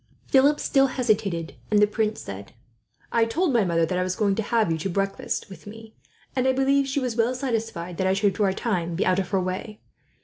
Philip still hesitated, and the prince said: "I told my mother that I was going to have you to breakfast with me; and I believe she was well satisfied that I should, for a time, be out of her way."